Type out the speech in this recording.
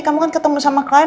kamu kan ketemu sama klien